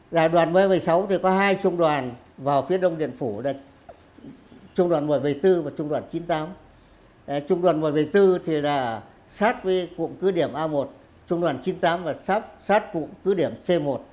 là đoàn một trăm một mươi sáu thì có hai trung đoàn vào phía đông điện phủ là trung đoàn một trăm một mươi bốn và trung đoàn chín mươi tám trung đoàn một trăm một mươi bốn thì là sát với cụm cứ điểm a một trung đoàn chín mươi tám và sát cụm cứ điểm c một